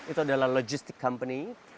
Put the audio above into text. itu adalah logistik company